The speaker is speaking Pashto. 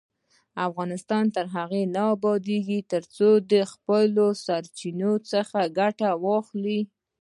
افغانستان تر هغو نه ابادیږي، ترڅو د خپلو سرچینو څخه ګټه وانخلو.